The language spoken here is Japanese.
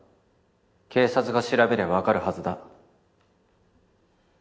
警察が調べりゃ分かるはずだ。